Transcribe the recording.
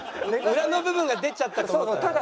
裏の部分が出ちゃったと思ったんだ。